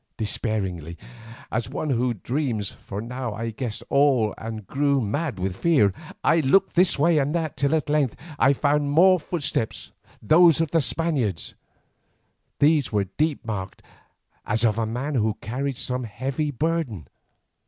Despairingly as one who dreams, for now I guessed all and grew mad with fear, I looked this way and that, till at length I found more footsteps, those of the Spaniard. These were deep marked, as of a man who carried some heavy burden.